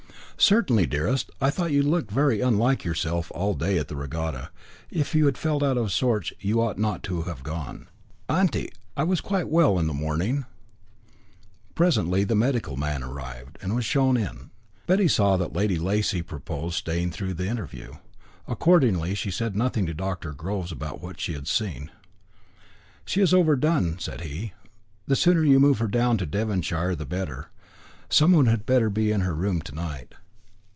"Certainly, dearest. I thought you looked very unlike yourself all day at the regatta. If you had felt out of sorts you ought not to have gone." "Auntie! I was quite well in the morning." Presently the medical man arrived, and was shown in. Betty saw that Lady Lacy purposed staying through the interview. Accordingly she said nothing to Dr. Groves about what she had seen. "She is overdone," said he. "The sooner you move her down to Devonshire the better. Someone had better be in her room to night."